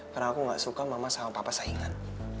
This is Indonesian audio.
karena aku gak suka mama sama papa saingan